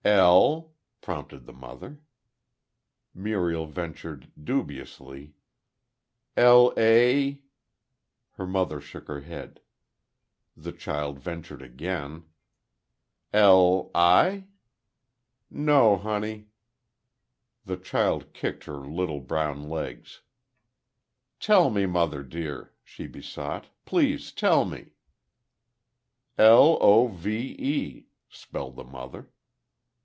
"L," prompted the mother. Muriel ventured, dubiously: "L a ?" Her mother shook her head. The child ventured again: "L i ?" "No, honey." The child kicked her brown little legs. "Tell me, mother dear," she besought. "Please tell me." "L o v e," spelled the mother.